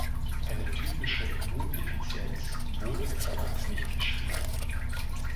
Eine typische Immundefizienz wurde bislang nicht beschrieben.